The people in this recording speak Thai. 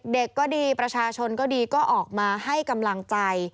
เด็กก็ดีประชาชนก็ดีก็ออกมาให้กำลังใจ